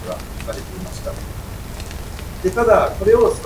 鋏